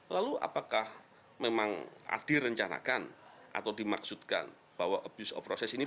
lalu apakah memang direncanakan atau dimaksudkan bahwa abuse of process ini